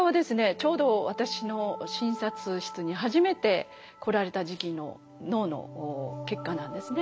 ちょうど私の診察室に初めて来られた時期の脳の結果なんですね。